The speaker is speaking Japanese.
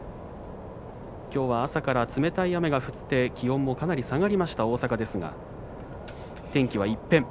きょうは朝から冷たい雨が降って気温もかなり下がりました大阪ですが天気は一変。